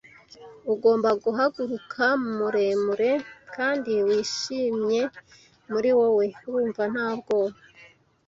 Ugomba guhaguruka muremure kandi wishimye, muri wowe wumva nta bwoba,